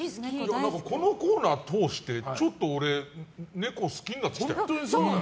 このコーナーを通してちょっと俺、ネコ好きになってきたよ。